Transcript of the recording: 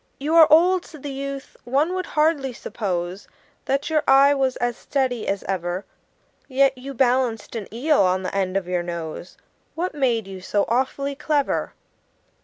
"You are old," said the youth; "one would hardly suppose That your eye was as steady as ever; Yet you balanced an eel on the end of your nose What made you so awfully clever?"